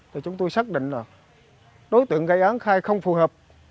thì chúng tôi xác định là đối tượng gây án khai không phù hợp